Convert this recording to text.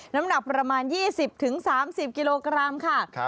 น้ำหนักประมาณ๒๐๓๐กิโลกรัมค่ะ